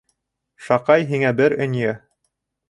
Шаҡай, һиңә бер ынйы.